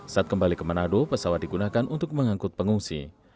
saat kembali ke manado pesawat digunakan untuk mengangkut pengungsi